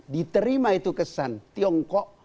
diterima itu kesan tiongkok